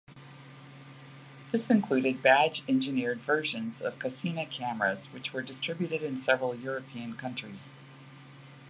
This included badge-engineered versions of Cosina cameras which were distributed in several European countries.